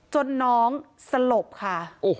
จนน้องสลบค่ะ